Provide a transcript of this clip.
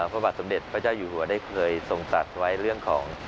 พระบาทสมเด็จพระเจ้าอยู่หัวได้เคยทรงตัดไว้เรื่องของ